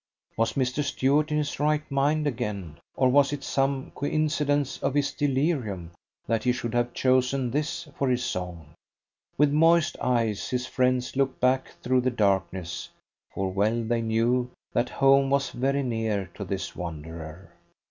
Was Mr. Stuart in his right mind again, or was it some coincidence of his delirium, that he should have chosen this for his song? With moist eyes his friends looked back through the darkness, for well they knew that home was very near to this wanderer.